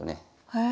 へえ。